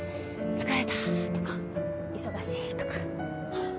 「疲れた」とか「忙しい」とか。